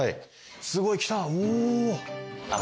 すごい来たお。